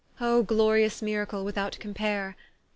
O glorious miracle without compare!